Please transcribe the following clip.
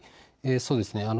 そうですね。